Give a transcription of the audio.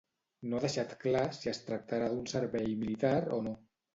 No ha deixat clar si es tractarà d'un servei militar o no.